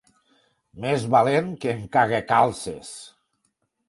Més valent que en Cagacalces.